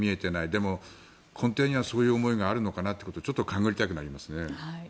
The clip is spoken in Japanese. でも、根底にはそういう思いがあるのかなってことをちょっと勘繰りたくなりますね。